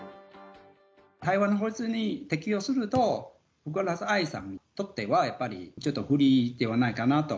台湾の法律に適用すると、福原愛さんにとっては、やっぱりちょっと不利ではないかなと。